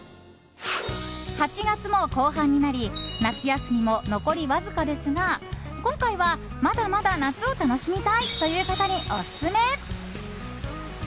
８月も後半になり夏休みも残りわずかですが今回は、まだまだ夏を楽しみたいという方にオススメ。